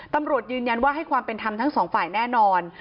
ตำรวจยืนยันว่าให้ความเป็นธรรมทั้งสองฝ่ายแน่นอน